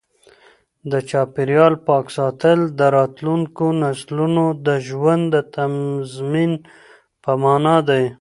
د چاپیریال پاک ساتل د راتلونکو نسلونو د ژوند د تضمین په مانا دی.